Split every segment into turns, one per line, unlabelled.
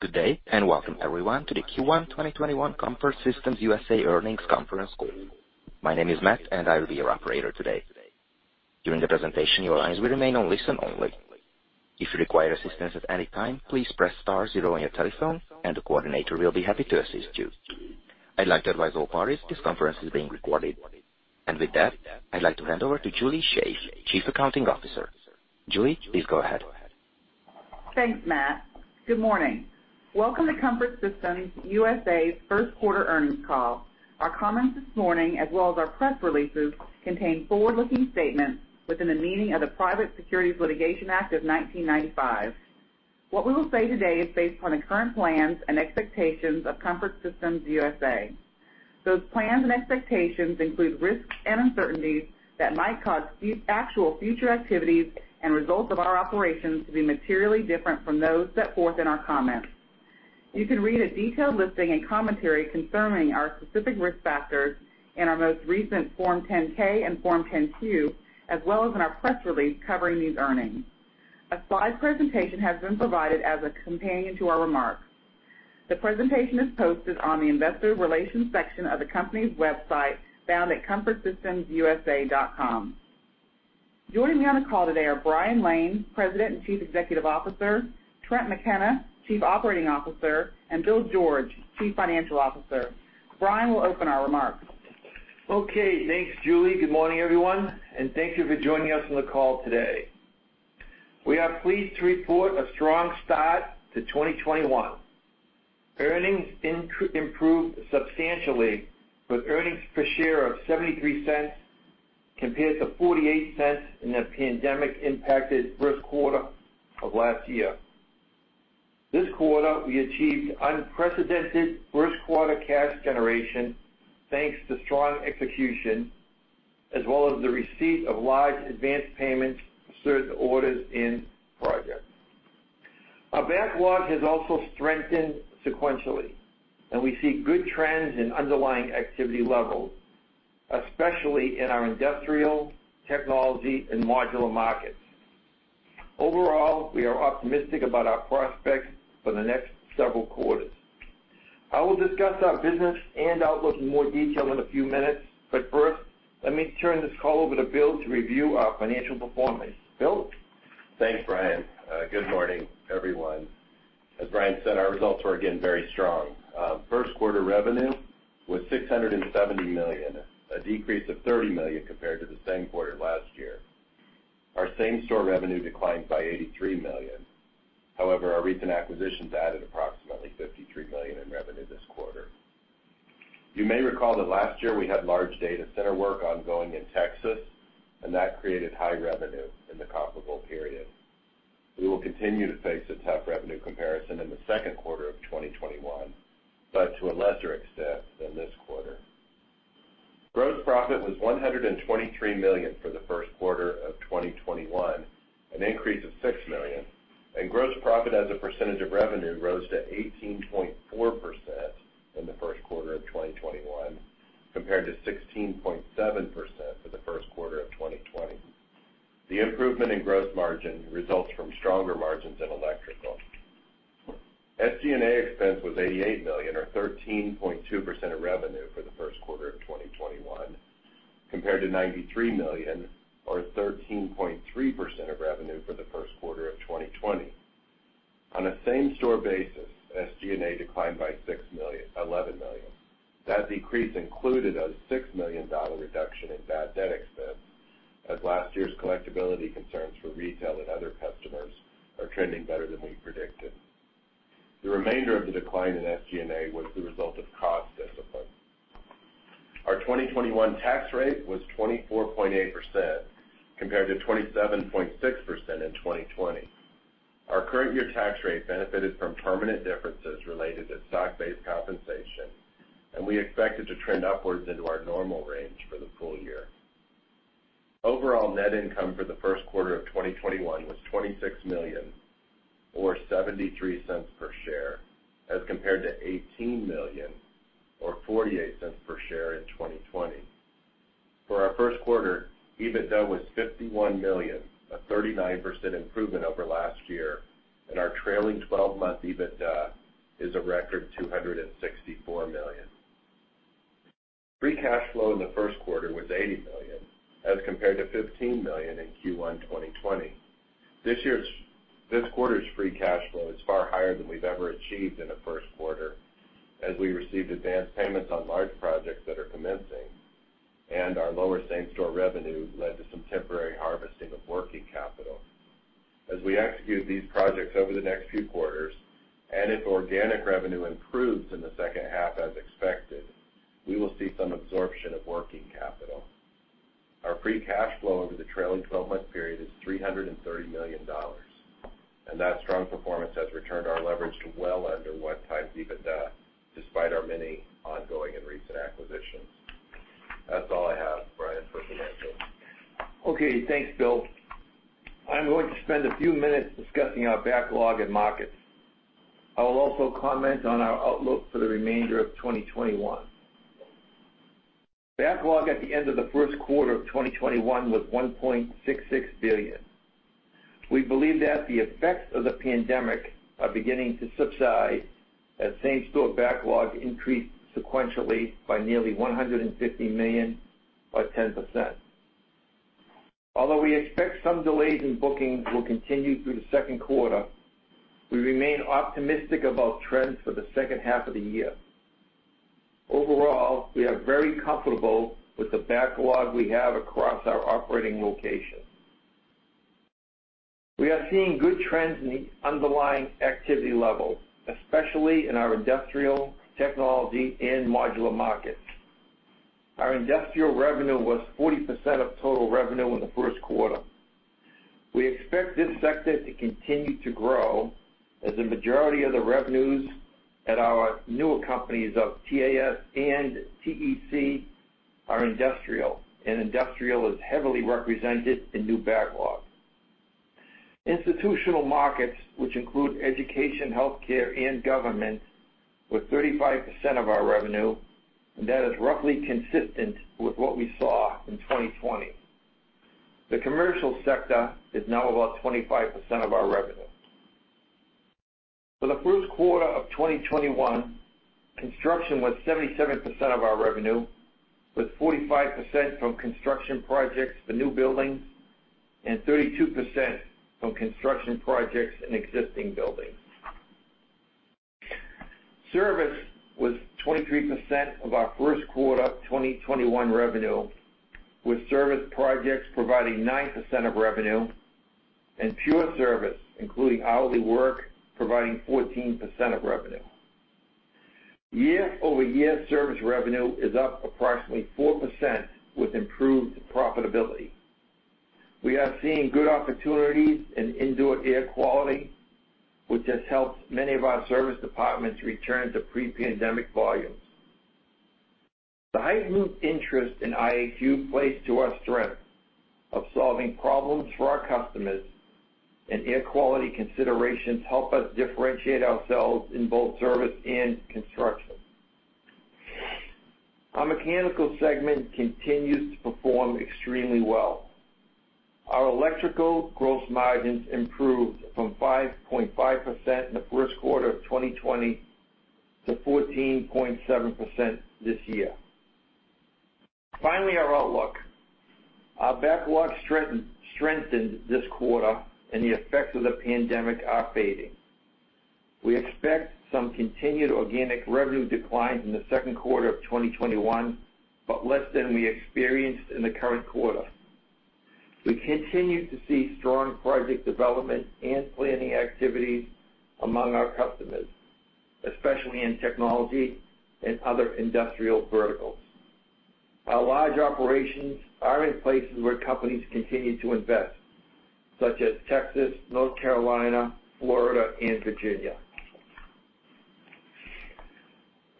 Good day, and welcome everyone to the Q1 2021 Comfort Systems USA earnings conference call. My name is Matt, and I will be your operator today. During the presentation, your lines will remain on listen only. If you require assistance at any time, please press star zero on your telephone and the coordinator will be happy to assist you. I'd like to advise all parties this conference is being recorded. With that, I'd like to hand over to Julie Shaeff, Chief Accounting Officer. Julie, please go ahead.
Thanks, Matt. Good morning. Welcome to Comfort Systems USA's first quarter earnings call. Our comments this morning, as well as our press releases, contain forward-looking statements within the meaning of the Private Securities Litigation Reform Act of 1995. What we will say today is based upon the current plans and expectations of Comfort Systems USA. Those plans and expectations include risks and uncertainties that might cause actual future activities and results of our operations to be materially different from those set forth in our comments. You can read a detailed listing and commentary concerning our specific risk factors in our most recent Form 10-K and Form 10-Q, as well as in our press release covering these earnings. A slide presentation has been provided as a companion to our remarks. The presentation is posted on the investor relations section of the company's website, found at comfortsystemsusa.com. Joining me on the call today are Brian Lane, President and Chief Executive Officer, Trent McKenna, Chief Operating Officer, and Bill George, Chief Financial Officer. Brian will open our remarks.
Okay, thanks, Julie Shaeff. Good morning, everyone, and thank you for joining us on the call today. We are pleased to report a strong start to 2021. Earnings improved substantially, with earnings per share of $0.73 compared to $0.48 in the pandemic-impacted first quarter of last year. This quarter, we achieved unprecedented first-quarter cash generation thanks to strong execution, as well as the receipt of large advanced payments for certain orders in project. Our backlog has also strengthened sequentially, and we see good trends in underlying activity levels, especially in our industrial, technology, and modular markets. Overall, we are optimistic about our prospects for the next several quarters. I will discuss our business and outlook in more detail in a few minutes, but first, let me turn this call over to Bill George to review our financial performance. Bill George?
Thanks, Brian. Good morning, everyone. As Brian said, our results were again, very strong. First-quarter revenue was $670 million, a decrease of $30 million compared to the same quarter last year. Our same-store revenue declined by $83 million. However, our recent acquisitions added approximately $53 million in revenue this quarter. You may recall that last year we had large data center work ongoing in Texas, and that created high revenue in the comparable period. We will continue to face a tough revenue comparison in the second quarter of 2021, but to a lesser extent than this quarter. Gross profit was $123 million for the first quarter of 2021, an increase of $6 million, and gross profit as a percentage of revenue rose to 18.4% in the first quarter of 2021, compared to 16.7% for the first quarter of 2020. The improvement in gross margin results from stronger margins in electrical. SG&A expense was $88 million, or 13.2% of revenue for the first quarter of 2021, compared to $93 million, or 13.3% of revenue for the first quarter of 2020. On a same-store basis, SG&A declined by $11 million. That decrease included a $6 million reduction in bad debt expense, as last year's collectibility concerns for retail and other customers are trending better than we predicted. The remainder of the decline in SG&A was the result of cost discipline. Our 2021 tax rate was 24.8%, compared to 27.6% in 2020. Our current year tax rate benefited from permanent differences related to stock-based compensation, and we expect it to trend upwards into our normal range for the full year. Overall net income for the first quarter of 2021 was $26 million or $0.73 per share, as compared to $18 million or $0.48 per share in 2020. For our first quarter, EBITDA was $51 million, a 39% improvement over last year, and our trailing 12-month EBITDA is a record $264 million. Free cash flow in the first quarter was $80 million as compared to $15 million in Q1 2020. This quarter's free cash flow is far higher than we've ever achieved in a first quarter, as we received advanced payments on large projects that are commencing, and our lower same-store revenue led to some temporary harvesting of working capital. As we execute these projects over the next few quarters, and if organic revenue improves in the second half as expected, we will see some absorption of working capital. Our free cash flow over the trailing 12-month period is $330 million. That strong performance has returned our leverage to well under 1x EBITDA, despite our many ongoing and recent acquisitions. That's all I have, Brian, for financials.
Okay, thanks, Bill. I'm going to spend a few minutes discussing our backlog and markets. I will also comment on our outlook for the remainder of 2021. Backlog at the end of the first quarter of 2021 was $1.66 billion. We believe that the effects of the pandemic are beginning to subside as same-store backlog increased sequentially by nearly $150 million, or 10%. Although we expect some delays in bookings will continue through the second quarter, we remain optimistic about trends for the second half of the year. Overall, we are very comfortable with the backlog we have across our operating locations. We are seeing good trends in the underlying activity levels, especially in our industrial, technology, and modular markets. Our industrial revenue was 40% of total revenue in the first quarter. We expect this sector to continue to grow as the majority of the revenues at our newer companies of TAS and TEC are industrial, and industrial is heavily represented in new backlog. Institutional markets, which include education, healthcare, and government, were 35% of our revenue, and that is roughly consistent with what we saw in 2020. The commercial sector is now about 25% of our revenue. For the first quarter of 2021, construction was 77% of our revenue, with 45% from construction projects for new buildings and 32% from construction projects in existing buildings. Service was 23% of our first quarter 2021 revenue, with service projects providing 9% of revenue and pure service, including hourly work, providing 14% of revenue. Year-over-year service revenue is up approximately 4% with improved profitability. We are seeing good opportunities in Indoor Air Quality, which has helped many of our service departments return to pre-pandemic volumes. The heightened interest in IAQ plays to our strength of solving problems for our customers. Air quality considerations help us differentiate ourselves in both service and construction. Our mechanical segment continues to perform extremely well. Our electrical gross margins improved from 5.5% in the first quarter of 2020 to 14.7% this year. Finally, our outlook. Our backlog strengthened this quarter. The effects of the pandemic are fading. We expect some continued organic revenue declines in the second quarter of 2021, but less than we experienced in the current quarter. We continue to see strong project development and planning activities among our customers, especially in technology and other industrial verticals. Our large operations are in places where companies continue to invest, such as Texas, North Carolina, Florida, and Virginia.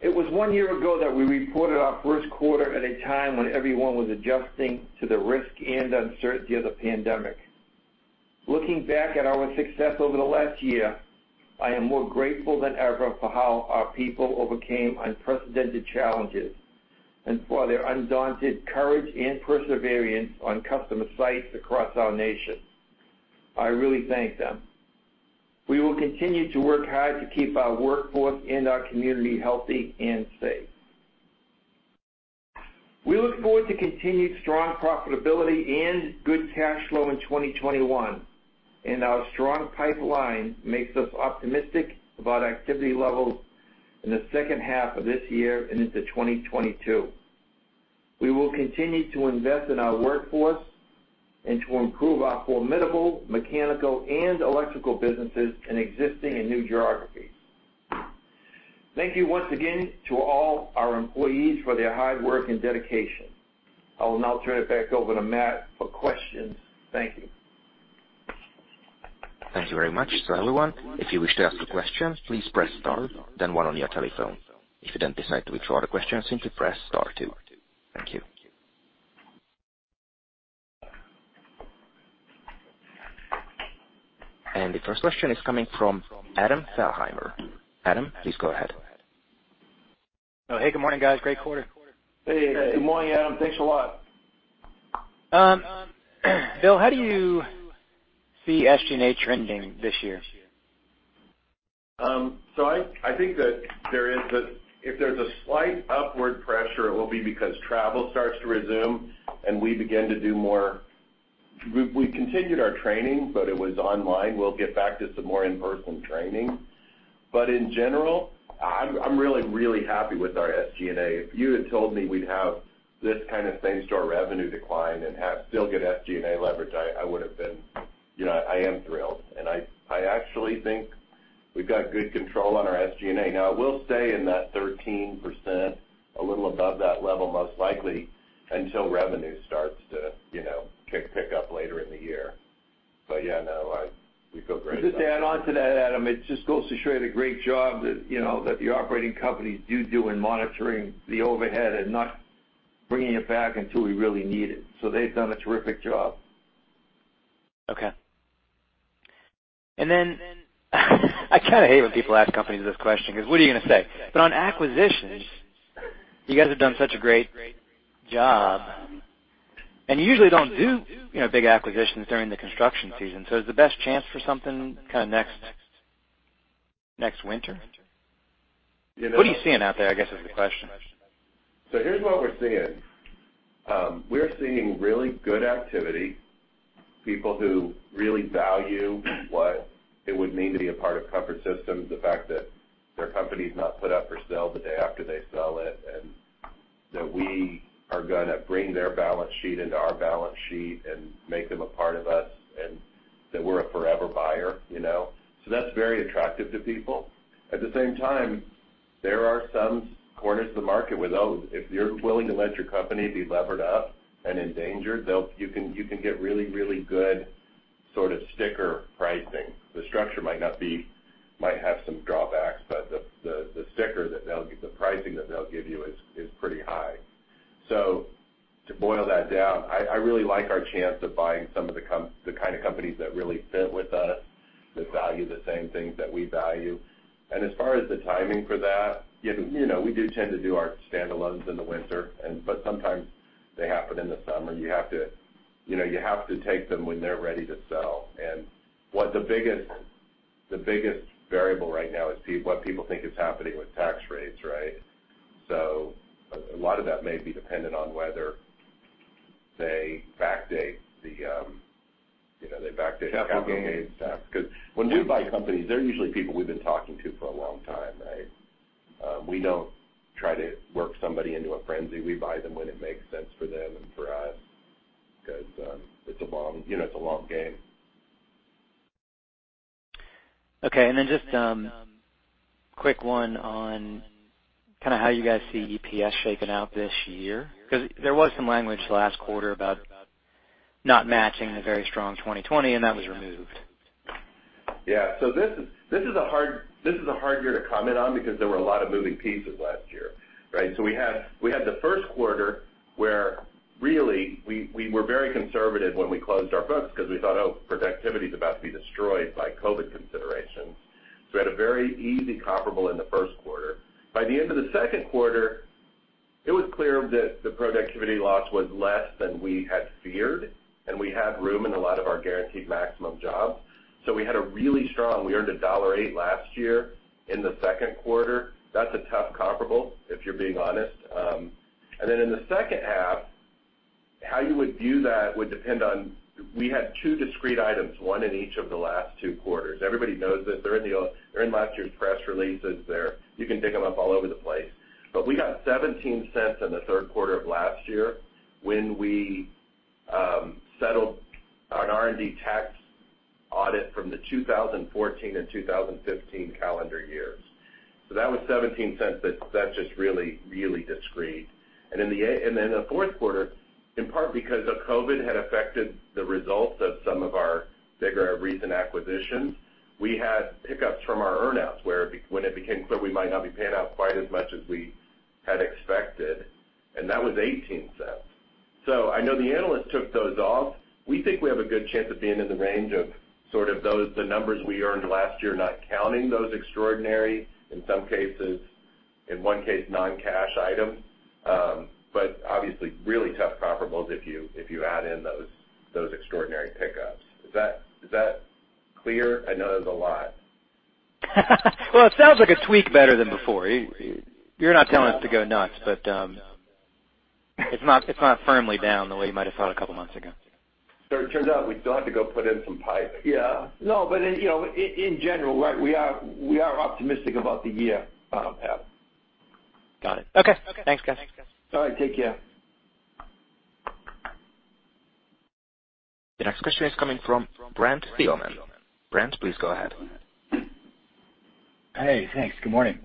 It was one year ago that we reported our first quarter at a time when everyone was adjusting to the risk and uncertainty of the pandemic. Looking back at our success over the last year, I am more grateful than ever for how our people overcame unprecedented challenges and for their undaunted courage and perseverance on customer sites across our nation. I really thank them. We will continue to work hard to keep our workforce and our community healthy and safe. We look forward to continued strong profitability and good cash flow in 2021, and our strong pipeline makes us optimistic about activity levels in the second half of this year and into 2022. We will continue to invest in our workforce and to improve our formidable mechanical and electrical businesses in existing and new geographies. Thank you once again to all our employees for their hard work and dedication. I will now turn it back over to Matt for questions. Thank you.
Thank you very much. Everyone, if you wish to ask a question, please press star then one on your telephone. If you then decide to withdraw the question, simply press star two. Thank you. The first question is coming from Adam Thalhimer. Adam, please go ahead.
Oh, hey, good morning, guys. Great quarter.
Hey, good morning, Adam. Thanks a lot.
Bill, how do you see SG&A trending this year?
I think that if there's a slight upward pressure, it will be because travel starts to resume, and we begin to do more. We continued our training, but it was online. We'll get back to some more in-person training. In general, I'm really happy with our SG&A. If you had told me we'd have this kind of same-store revenue decline and still get SG&A leverage, I am thrilled, and I actually think we've got good control on our SG&A. Now, it will stay in that 13%, a little above that level, most likely, until revenue starts to pick up later in the year. Yeah, no, we feel great.
Just to add on to that, Adam, it just goes to show you the great job that the operating companies do in monitoring the overhead and not bringing it back until we really need it. They've done a terrific job.
Okay. I hate when people ask companies this question, because what are you going to say? On acquisitions, you guys have done such a great job, and you usually don't do big acquisitions during the construction season. Is the best chance for something next winter?
You know.
What are you seeing out there, I guess is the question.
Here's what we're seeing. We're seeing really good activity, people who really value what it would mean to be a part of Comfort Systems, the fact that their company's not put up for sale the day after they sell it, and that we are going to bring their balance sheet into our balance sheet and make them a part of us, and that we're a forever buyer. That's very attractive to people. At the same time, there are some corners of the market where those, if you're willing to let your company be levered up and endangered, you can get really, really good sort of sticker pricing. The structure might have some drawbacks, but the sticker, the pricing that they'll give you is pretty high. To boil that down, I really like our chance of buying some of the kind of companies that really fit with us, that value the same things that we value. As far as the timing for that, we do tend to do our standalones in the winter, but sometimes they happen in the summer. You have to take them when they're ready to sell. What the biggest variable right now is what people think is happening with tax rates, right? A lot of that may be dependent on whether they backdate.
Capital gains
capital gains tax. When we buy companies, they're usually people we've been talking to for a long time, right? We don't try to work somebody into a frenzy. We buy them when it makes sense for them and for us, because it's a long game.
Okay, just a quick one on how you guys see EPS shaping out this year. There was some language last quarter about not matching the very strong 2020, and that was removed.
This is a hard year to comment on because there were a lot of moving pieces last year, right? We had the first quarter where really we were very conservative when we closed our books because we thought, oh, productivity's about to be destroyed by COVID considerations. By the end of the second quarter, it was clear that the productivity loss was less than we had feared, and we had room in a lot of our guaranteed maximum jobs. We earned $1.08 last year in the second quarter. That's a tough comparable, if you're being honest. Then in the second half, how you would view that would depend on, we had two discrete items, one in each of the last two quarters. Everybody knows this. They're in last year's press releases there. You can pick them up all over the place. We got $0.17 in the third quarter of last year when we settled an R&D tax audit from the 2014 and 2015 calendar years. That was $0.17, but that's just really, really discrete. The fourth quarter, in part because of COVID had affected the results of some of our bigger recent acquisitions, we had pickups from our earn-outs, when it became clear we might not be paying out quite as much as we had expected, and that was $0.18. I know the analyst took those off. We think we have a good chance of being in the range of sort of the numbers we earned last year, not counting those extraordinary, in one case, non-cash items. Obviously, really tough comparables if you add in those extraordinary pickups. Is that clear? I know that's a lot.
Well, it sounds like a tweak better than before. You're not telling us to go nuts, but it's not firmly down the way you might've thought a couple of months ago.
It turns out we still have to go put in some pipe.
Yeah. No, in general, we are optimistic about the year, Adam.
Got it. Okay. Thanks, guys.
All right, take care.
The next question is coming from Brent Thielman. Brent, please go ahead.
Hey, thanks. Good morning.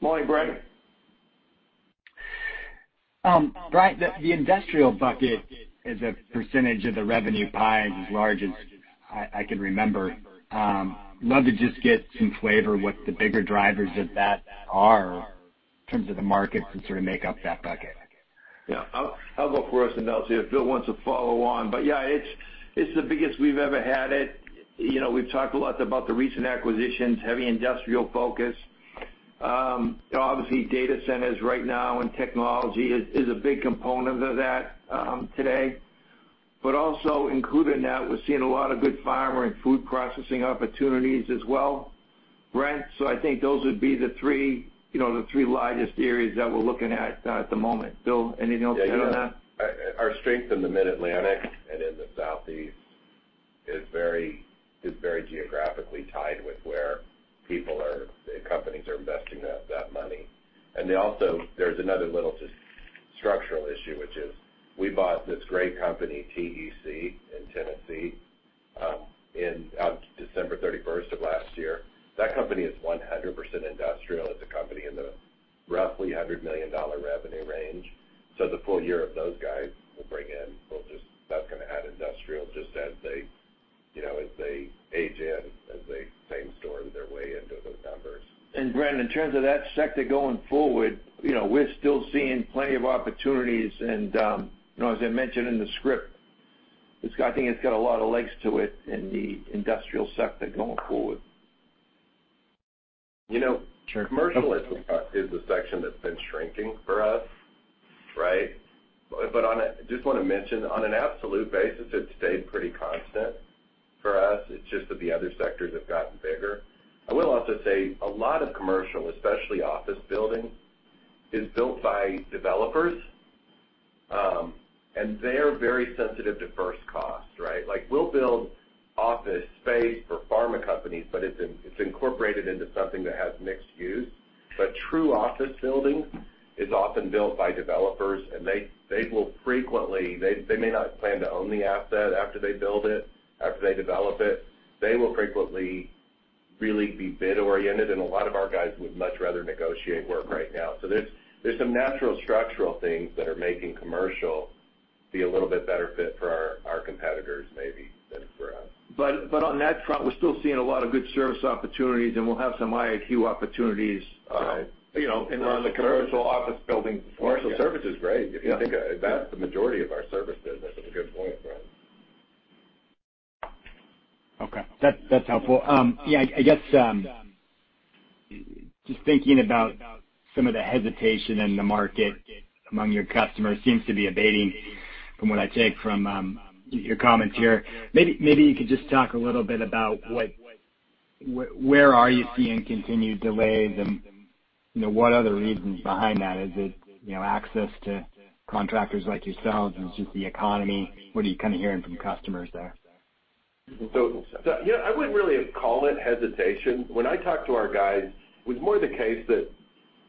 Morning, Brent.
Brian, the industrial bucket as a percentage of the revenue pie is as large as I can remember. Love to just get some flavor what the bigger drivers of that are in terms of the markets that sort of make up that bucket.
Yeah. I'll go first and then I'll see if Bill wants to follow on. yeah, it's the biggest we've ever had it. We've talked a lot about the recent acquisitions, heavy industrial focus. Obviously data centers right now and technology is a big component of that today. also included in that, we're seeing a lot of good farm and food processing opportunities as well, Brent. I think those would be the three largest areas that we're looking at the moment. Bill, anything else to add on that?
Our strength in the Mid-Atlantic and in the Southeast is very geographically tied with where companies are investing that money. Also, there's another little structural issue, which is we bought this great company, TEC, in Tennessee on December 31st of last year. That company is 100% industrial. It's a company in the roughly $100 million revenue range. The full year of those guys will bring in, that's going to add industrial just as they age in, as they same-store their way into those numbers.
Brent, in terms of that sector going forward, we're still seeing plenty of opportunities and, as I mentioned in the script, I think it's got a lot of legs to it in the industrial sector going forward.
Commercial is a section that's been shrinking for us. I just want to mention, on an absolute basis, it's stayed pretty constant for us. It's just that the other sectors have gotten bigger. I will also say a lot of commercial, especially office building, is built by developers, and they're very sensitive to first cost. We'll build office space for pharma companies, but it's incorporated into something that has mixed use. True office building is often built by developers, and they may not plan to own the asset after they build it, after they develop it. They will frequently really be bid-oriented, and a lot of our guys would much rather negotiate work right now. There's some natural structural things that are making commercial be a little bit better fit for our competitors, maybe, than for us.
On that front, we're still seeing a lot of good service opportunities, and we'll have some IAQ opportunities. On the commercial office building.
Commercial service is great. If you think about it, that's the majority of our service business. That's a good point, Brent Thielman.
That's helpful. I guess, just thinking about some of the hesitation in the market among your customers seems to be abating from what I take from your comments here. Maybe you could just talk a little bit about where are you seeing continued delays and what are the reasons behind that? Is it access to contractors like yourselves? Is it just the economy? What are you hearing from customers there?
I wouldn't really call it hesitation. When I talk to our guys, it was more the case that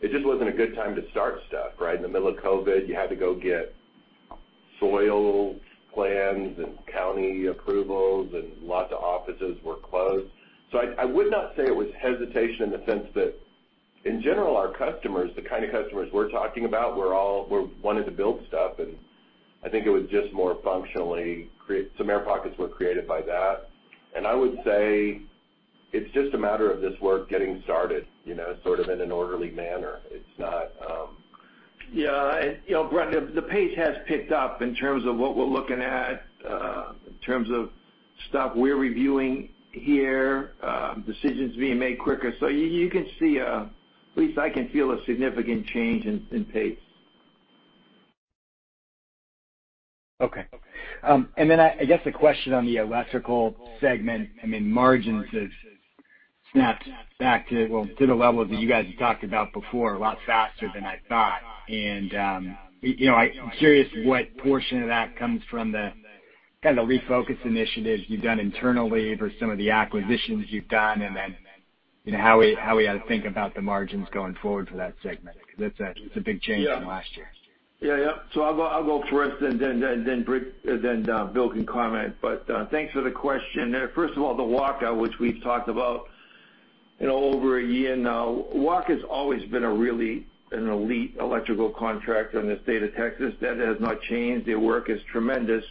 it just wasn't a good time to start stuff. In the middle of COVID, you had to go get soil plans and county approvals, and lots of offices were closed. I would not say it was hesitation in the sense that, in general, our customers, the kind of customers we're talking about, were wanting to build stuff, and I think it was just more functionally, some air pockets were created by that. I would say it's just a matter of this work getting started, sort of in an orderly manner.
Yeah. Brent, the pace has picked up in terms of what we're looking at, in terms of stuff we're reviewing here, decisions being made quicker. You can see, at least I can feel a significant change in pace.
Okay. I guess the question on the electrical segment, margins have snapped back, well, to the level that you guys had talked about before, a lot faster than I thought. I'm curious what portion of that comes from the kind of refocus initiatives you've done internally versus some of the acquisitions you've done, and then, how we ought to think about the margins going forward for that segment, because it's a big change from last year.
I'll go first, and then Bill can comment. Thanks for the question. First of all, the Walker, which we've talked about over a year now. Walker's always been an elite electrical contractor in the state of Texas. That has not changed. Their work is tremendous.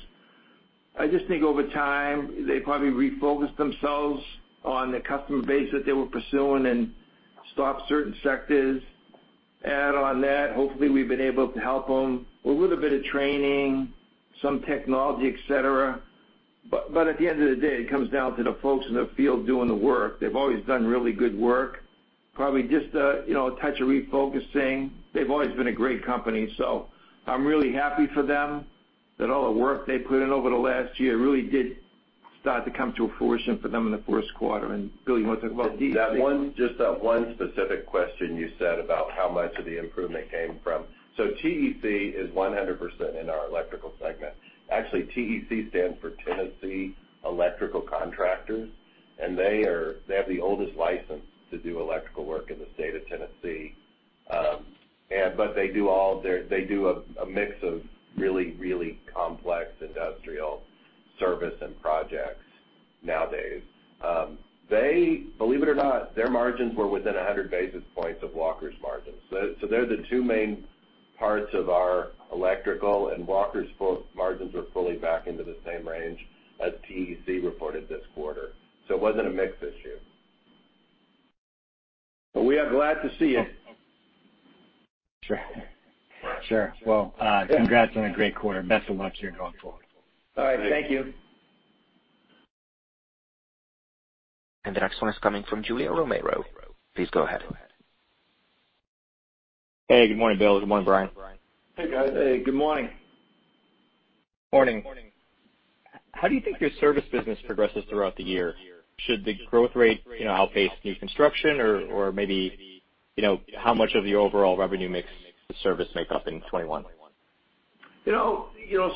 I just think over time, they probably refocused themselves on the customer base that they were pursuing and stopped certain sectors. Add on that, hopefully, we've been able to help them with a little bit of training, some technology, etc. At the end of the day, it comes down to the folks in the field doing the work. They've always done really good work. Probably just a touch of refocusing. They've always been a great company. I'm really happy for them that all the work they put in over the last year really did start to come to fruition for them in the first quarter. Bill, you want to talk about TEC?
Just that one specific question you said about how much of the improvement came from. TEC is 100% in our electrical segment. Actually, TEC stands for Tennessee Electrical Contractors, and they have the oldest license to do electrical work in the state of Tennessee. They do a mix of really complex industrial service and projects nowadays. Believe it or not, their margins were within 100 basis points of Walker's margins. They're the two main parts of our electrical, and Walker's margins are fully back into the same range as TEC reported this quarter. It wasn't a mix issue.
We are glad to see it.
Sure. Well, congrats on a great quarter. Best of luck to you going forward.
All right. Thank you.
The next one is coming from Julio Romero. Please go ahead.
Hey, good morning, Bill. Good morning, Brian.
Hey, guys. Hey, good morning.
Morning. How do you think your service business progresses throughout the year? Should the growth rate outpace new construction? Maybe, how much of the overall revenue mix does service make up in 2021?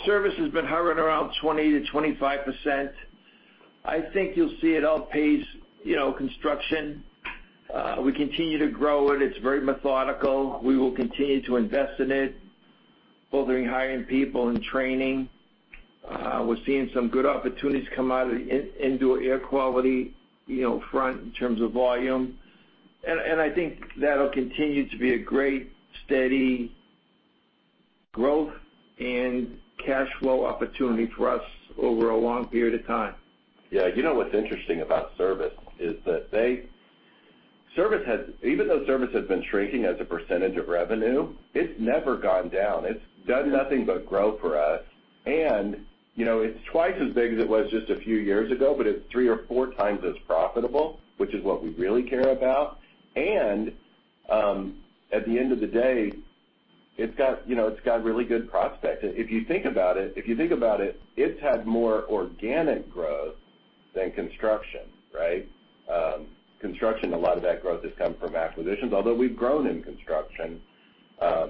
Service has been hovering around 20%-25%. I think you'll see it outpace construction. We continue to grow it. It's very methodical. We will continue to invest in it, both in hiring people and training. We're seeing some good opportunities come out of the indoor air quality front in terms of volume. I think that'll continue to be a great, steady growth and cash flow opportunity for us over a long period of time.
Yeah. You know what's interesting about service is that even though service has been shrinking as a percentage of revenue, it's never gone down. It's done nothing but grow for us. It's twice as big as it was just a few years ago, but it's three or 4x as profitable, which is what we really care about. At the end of the day, it's got really good prospects. If you think about it's had more organic growth than construction. Construction, a lot of that growth has come from acquisitions. Although we've grown in construction,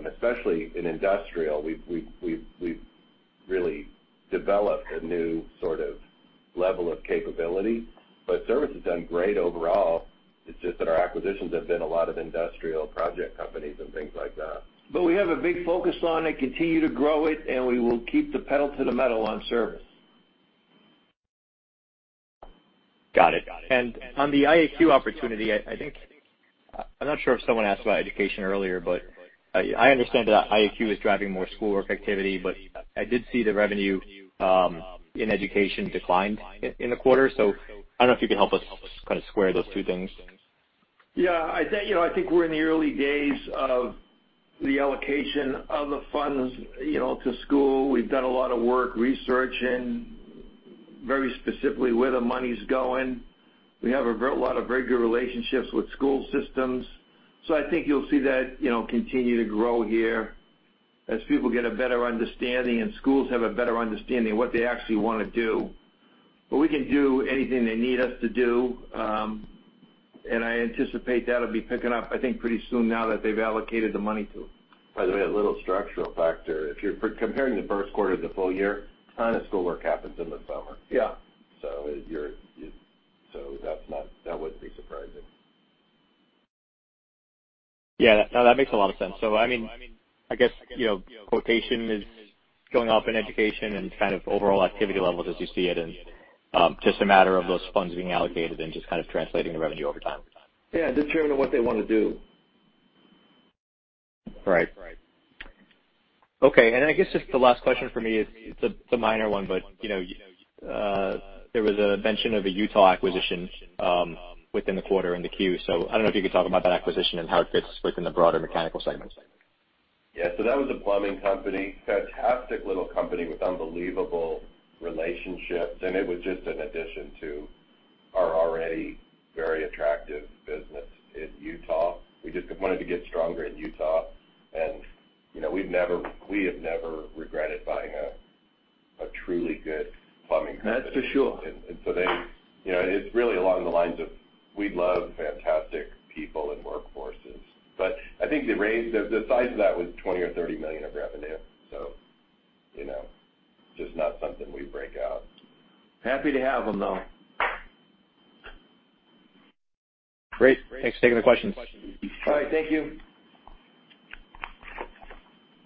especially in industrial, we've really developed a new sort of level of capability. Service has done great overall. It's just that our acquisitions have been a lot of industrial project companies and things like that.
We have a big focus on it, continue to grow it, and we will keep the pedal to the metal on service.
Got it. On the IAQ opportunity, I'm not sure if someone asked about education earlier, but I understand that IAQ is driving more schoolwork activity, but I did see the revenue in education declined in the quarter. I don't know if you could help us kind of square those two things.
Yeah. I think we're in the early days of the allocation of the funds to school. We've done a lot of work researching very specifically where the money's going. We have a lot of very good relationships with school systems. I think you'll see that continue to grow here as people get a better understanding and schools have a better understanding of what they actually want to do. We can do anything they need us to do. I anticipate that'll be picking up, I think, pretty soon now that they've allocated the money to.
By the way, a little structural factor. If you're comparing the first quarter to the full year, a ton of schoolwork happens in the summer.
Yeah.
That wouldn't be surprising.
Yeah. No, that makes a lot of sense. I guess, quotation is going up in education and kind of overall activity levels as you see it, and just a matter of those funds being allocated and just kind of translating the revenue over time.
Yeah, determined on what they want to do.
Right. Okay. I guess just the last question for me is, it's a minor one, but there was a mention of a Utah acquisition within the quarter in the Q. I don't know if you could talk about that acquisition and how it fits within the broader mechanical segment.
Yeah. That was a plumbing company. Fantastic little company with unbelievable relationships, and it was just an addition to our already very attractive business in Utah. We just wanted to get stronger in Utah. We have never regretted buying a truly good plumbing company.
That's for sure.
It's really along the lines of we love fantastic people and workforces. I think the size of that was $20 million or $30 million of revenue. Just not something we break out.
Happy to have them, though.
Great. Thanks for taking the questions.
All right. Thank you.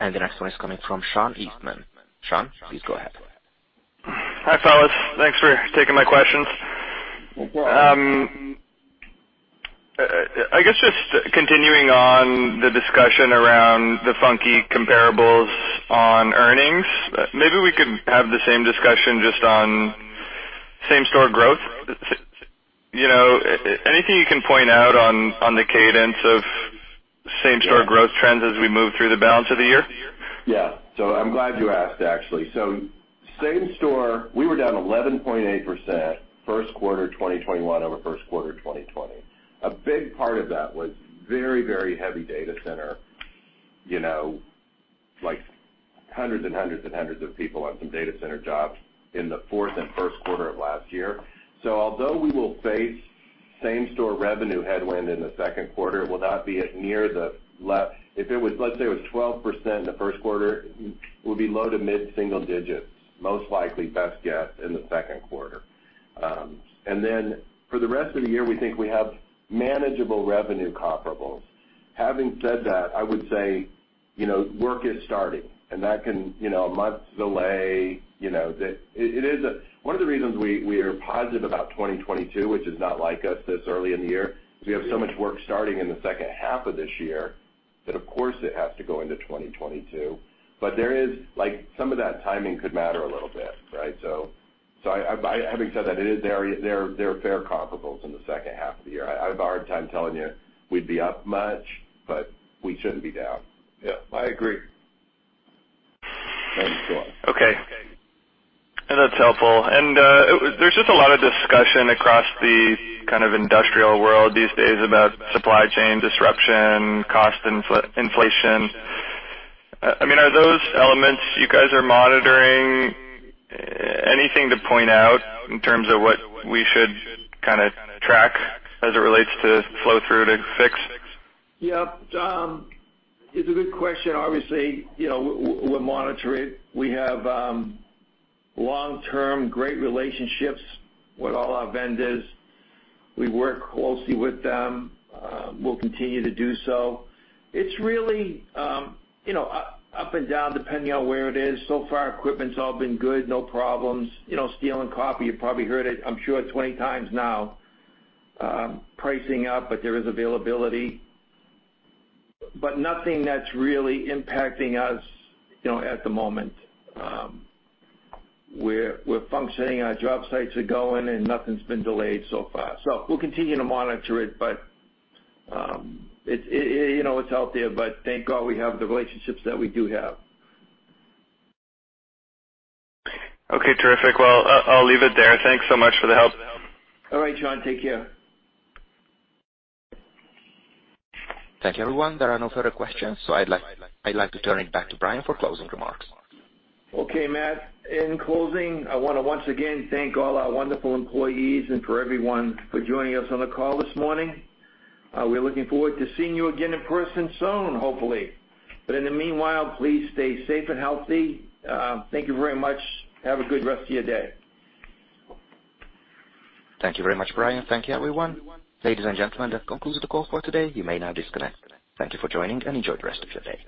The next one is coming from Sean Eastman. Sean, please go ahead.
Hi, fellas. Thanks for taking my questions.
No problem.
I guess just continuing on the discussion around the funky comparables on earnings, maybe we could have the same discussion just on same-store growth. Anything you can point out on the cadence of same-store growth trends as we move through the balance of the year?
Yeah. I'm glad you asked, actually. Same store, we were down 11.8% first quarter 2021 over first quarter 2020. A big part of that was very heavy data center, like hundreds and hundreds of people on some data center jobs in the fourth and first quarter of last year. Although we will face same-store revenue headwind in the second quarter, it will not be at let's say it was 12% in the first quarter, will be low to mid-single digits, most likely, best guess in the second quarter. For the rest of the year, we think we have manageable revenue comparables. Having said that, I would say, work is starting. That can, months delay. One of the reasons we are positive about 2022, which is not like us this early in the year, is we have so much work starting in the second half of this year that of course it has to go into 2022. Some of that timing could matter a little bit. Having said that, they're fair comparables in the second half of the year. I have a hard time telling you we'd be up much, but we shouldn't be down.
Yeah, I agree.
Thanks, Sean.
Okay. That's helpful. There's just a lot of discussion across the kind of industrial world these days about supply chain disruption, cost inflation. Are those elements you guys are monitoring? Anything to point out in terms of what we should kind of track as it relates to flow through to fix?
Yeah. It's a good question. Obviously, we'll monitor it. We have long-term great relationships with all our vendors. We work closely with them. We'll continue to do so. It's really up and down, depending on where it is. So far, equipment's all been good. No problems. Steel and copper, you've probably heard it, I'm sure, 20x now. Pricing up, there is availability. Nothing that's really impacting us at the moment. We're functioning, our job sites are going, and nothing's been delayed so far. We'll continue to monitor it, but it's out there, but thank God we have the relationships that we do have.
Okay, terrific. I'll leave it there. Thanks so much for the help.
All right, Sean. Take care.
Thank you, everyone. There are no further questions, so I'd like to turn it back to Brian for closing remarks.
Okay, Matt. In closing, I want to once again thank all our wonderful employees and for everyone for joining us on the call this morning. We're looking forward to seeing you again in person soon, hopefully. In the meanwhile, please stay safe and healthy. Thank you very much. Have a good rest of your day.
Thank you very much, Brian. Thank you, everyone. Ladies and gentlemen, that concludes the call for today. You may now disconnect. Thank you for joining, and enjoy the rest of your day.